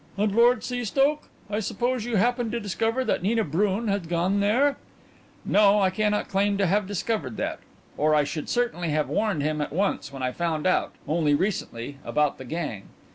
"And Lord Seastoke? I suppose you happened to discover that Nina Brun had gone there?" "No, I cannot claim to have discovered that, or I should certainly have warned him at once when I found out only recently about the gang.